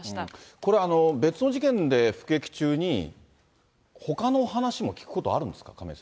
これ、別の事件で服役中に、ほかの話も聞くことあるんですか？